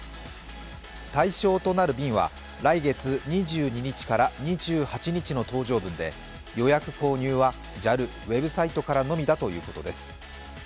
対象となる便は来月２２日から２８日の搭乗分で予約購入はＪＡＬウェブサイトからのみだということです。